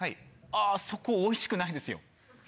あぁそこおいしくないですよ。